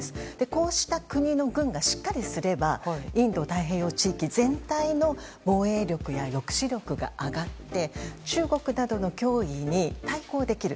こうした国の軍がしっかりすればインド太平洋地域全体の防衛力や抑止力が上がって中国などの脅威に対抗できる。